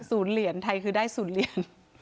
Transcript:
ศูนย์เหรียญไทยคือได้ศูนย์เหรียญ